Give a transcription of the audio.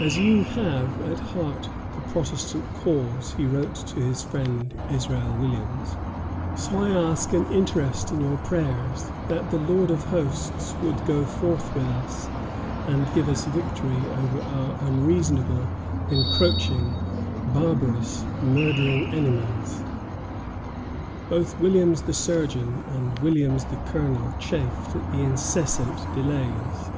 "As you have at heart the Protestant cause," he wrote to his friend Israel Williams, "so I ask an interest in your prayers that the Lord of Hosts would go forth with us and give us victory over our unreasonable, encroaching, barbarous, murdering enemies." Both Williams the surgeon and Williams the colonel chafed at the incessant delays.